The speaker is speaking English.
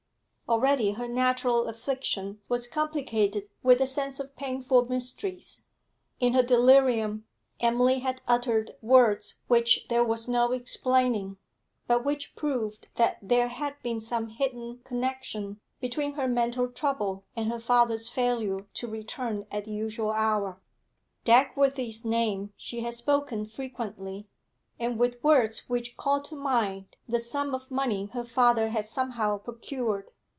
Already her natural affliction was complicated with a sense of painful mysteries; in her delirium, Emily had uttered words which there was no explaining, but which proved that there had been some hidden connection between her mental trouble and her father's failure to return at the usual hour. Dagworthy's name she had spoken frequently, and with words which called to mind the sum of money her father had somehow procured.